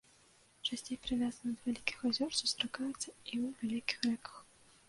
Часцей прывязаны да вялікіх азёр, сустракаецца і ў вялікіх рэках.